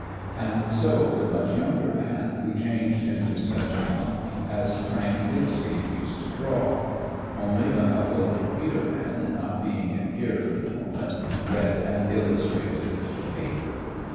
And so with a much younger man, who changed into such a monk as Frank Dicksee used to draw. Only a couple of torpedo men, not being in gear for the moment, read an illustrated paper.